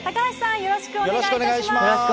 よろしくお願いします。